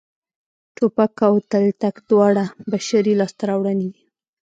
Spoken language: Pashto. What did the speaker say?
ټوپک او تلتک دواړه بشري لاسته راوړنې دي